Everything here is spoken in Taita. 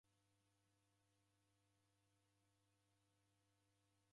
W'ulindiri ghukaiaa ghubirie.